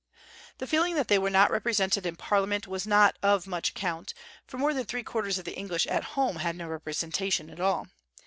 The feeling that they were not represented in Parliament was not of much account, for more than three quarters of the English at home had no representation at all.